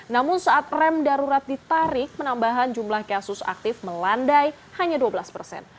namun saat rem darurat ditarik penambahan jumlah kasus aktif melandai hanya dua belas persen